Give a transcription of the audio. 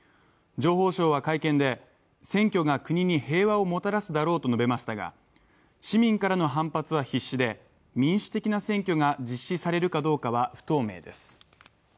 情報相は会見で選挙が国に平和をもたらすだろうと述べましたが市民からの反発は必至で、民主的な選挙が実施されるかどうかは不透明です。